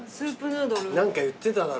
何か言ってただろ。